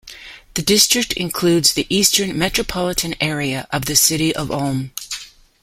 The district includes the eastern metropolitan area of the city of Ulm.